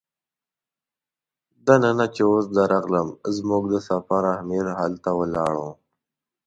دننه چې اودس ته ورغلم زموږ د سفر امیر هلته ولاړ و.